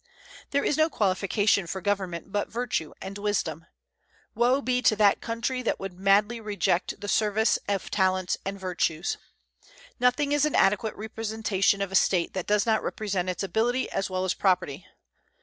There is no qualification for government but virtue and wisdom. Woe be to that country that would madly reject the service of talents and virtues. Nothing is an adequate representation of a State that does not represent its ability as well as property.